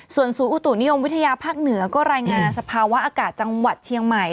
ส่วนศูนย์อุตุนิยมวิทยาภาคเหนือก็รายงานสภาวะอากาศจังหวัดเชียงใหม่